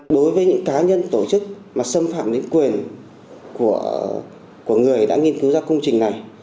đối với những cá nhân tổ chức mà xâm phạm đến quyền của người đã nghiên cứu ra công trình này